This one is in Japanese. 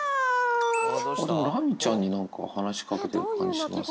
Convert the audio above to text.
でもラミちゃんになんか、話しかけてる感じしますね。